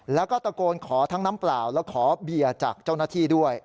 แล้วก็ตะโกนขอทั้งน้ำเปล่าและขอเบียร์จากเจ้าหน้าที่ด้วย